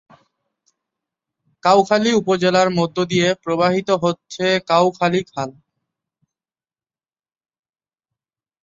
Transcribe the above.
কাউখালী উপজেলার মধ্য দিয়ে প্রবাহিত হচ্ছে কাউখালী খাল।